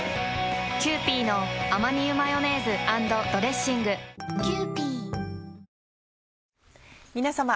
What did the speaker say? キユーピーのアマニ油マヨネーズ＆ドレッシング皆さま。